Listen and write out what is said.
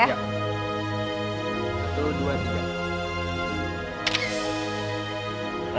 satu dua tiga